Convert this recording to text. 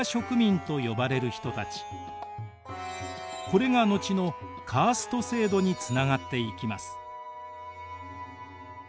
これが後のカースト制度につながっていきます。